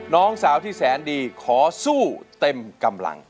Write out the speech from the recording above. น้องสาวที่แสนดีขอสู้เต็มกำลัง